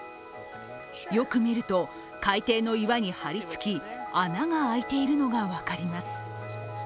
よく見ると、海底の岩に張り付き、穴が開いているのが分かります。